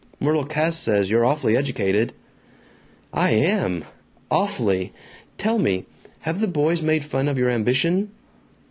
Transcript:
Myrtle Cass says you're awfully educated." "I am. Awfully. Tell me: Have the boys made fun of your ambition?"